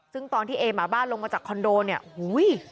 ซึ่งตอนที่เอหมาบ้านลงมาจากคอนโดเนี่ยอุ้ย